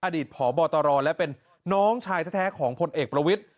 อดีตพบตรและเป็นน้องชายแท้ของพลเอกประวิทธิ